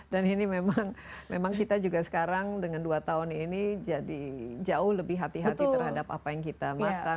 dan ini memang kita juga sekarang dengan dua tahun ini jadi jauh lebih hati hati terhadap apa yang kita makan